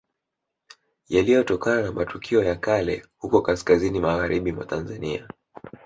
Yaliyotokana na matukio ya kale huko kaskazini magharibi mwa Tanzania